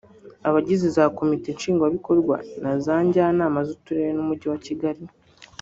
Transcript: Abagize za Komite Nshingwabikorwa na za Njyanama z’Uturere n’Umujyi wa Kigali